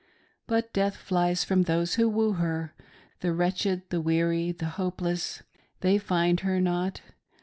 But death iiies from those who woo her ; the wretched, the weary, the hopeless, they find her not.